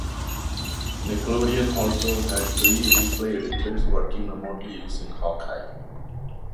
Nickelodeon also had three replay editors working remotely using Hawkeye.